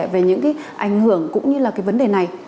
về những ảnh hưởng cũng như là vấn đề này